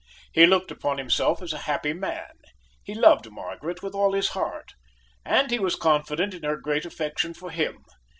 He looked upon himself as a happy man. He loved Margaret with all his heart, and he was confident in her great affection for him.